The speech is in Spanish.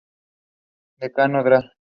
Decano: Dra.